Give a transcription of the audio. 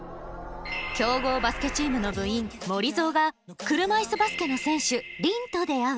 強豪バスケチームの部員森ぞーが車いすバスケの選手、凛と出会う。